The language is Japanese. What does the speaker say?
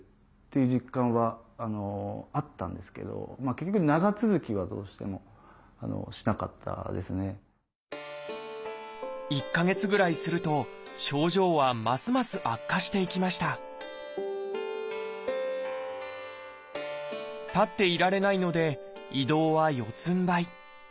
ところが１か月ぐらいすると症状はますます悪化していきました立っていられないので移動は四つんばい。